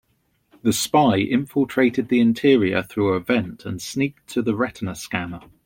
The spy infiltrated the interior through a vent and sneaked to the retina scanner.